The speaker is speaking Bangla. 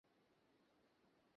আমার ক্যামেরাতে কখনো হাত দেবে না!